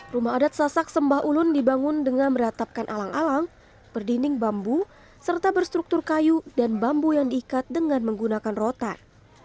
rumah adat sasak sembah ulun dibangun dengan meratapkan alang alang berdinding bambu serta berstruktur kayu dan bambu yang diikat dengan menggunakan rotan